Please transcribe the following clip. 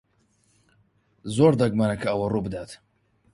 زۆر دەگمەنە کە ئەوە ڕوو بدات.